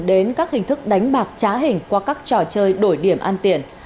đến các hình thức đánh bạc trá hình qua các trò chơi đổi điểm an tiện